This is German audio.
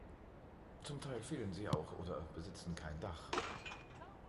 Zum Teil fehlen sie auch oder besitzen kein Dach.